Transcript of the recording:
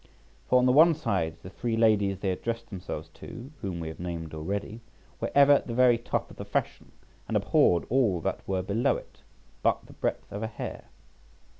For, on the one side, the three ladies they addressed themselves to (whom we have named already) were ever at the very top of the fashion, and abhorred all that were below it but the breadth of a hair.